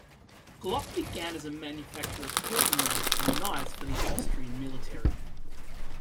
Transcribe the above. Glock began as a manufacturer of curtain rods and knives for the Austrian military.